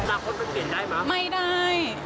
ราคมเป็นเปลี่ยนได้มั้ยไม่ได้